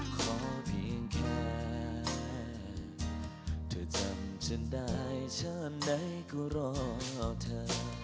ขอเพียงแค่เธอจำฉันได้ชาติไหนก็รอเธอ